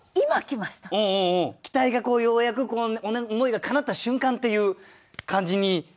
期待がようやく思いがかなった瞬間っていう感じにとれますね。